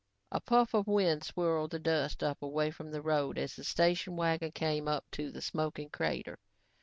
A puff of wind swirled the dust up away from the road as the station wagon came up to the smoking crater.